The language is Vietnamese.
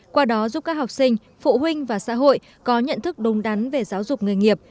qua đó giúp các học sinh phụ huynh và xã hội có nhận thức đúng đắn về giáo dục nghề nghiệp